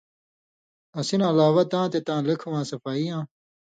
اسی نہ علاوہ تاں تے تاں لیکھہۡ واں صفائی یاں